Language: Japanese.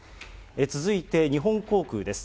続いて日本航空です。